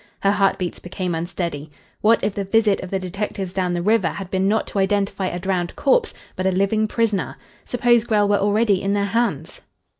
Her heartbeats became unsteady. What if the visit of the detectives down the river had been not to identify a drowned corpse, but a living prisoner? Suppose Grell were already in their hands?